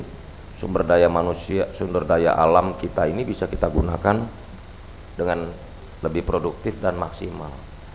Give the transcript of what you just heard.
karena dengan ai ini sumber daya manusia sumber daya alam kita ini bisa kita gunakan dengan lebih produktif dan maksimal